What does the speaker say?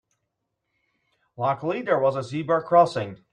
Luckily there was a zebra crossing.